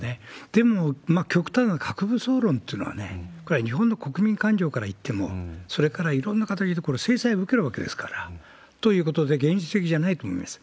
でも、極端な核武装論というのは、これは日本の国民感情からいっても、それから、いろんな形で制裁受けるわけですから、ということで、現実的じゃないと思います。